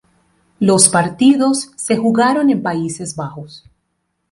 Los partidos se jugaron en Países Bajos.